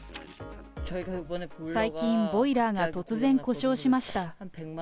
最近、ボイラーが突然、故障しました。